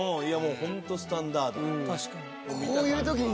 いやホントスタンダート。